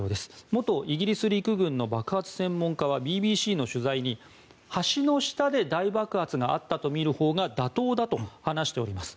元イギリス陸軍の爆発専門家はＢＢＣの取材に橋の下で大爆発があったとみるほうが妥当だと話しています。